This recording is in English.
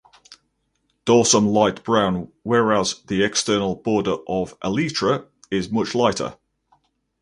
Dorsum light brown whereas the external border of elytra is much lighter.